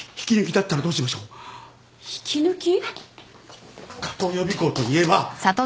加藤予備校といえば。